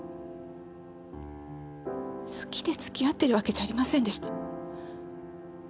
好きで付き合ってるわけじゃありませんでした。